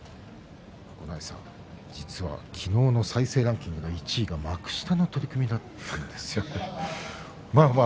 九重さん、昨日の再生ランキングは１位が幕下の取組だったんですね。